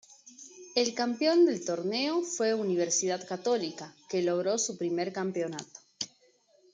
El campeón del torneo fue Universidad Católica, que logró su primer campeonato.